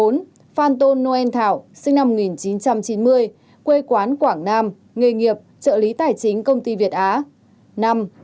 bốn phan tôn noel thảo sinh năm một nghìn chín trăm chín mươi quê quán quảng nam nghề nghiệp trợ lý tài chính công ty việt á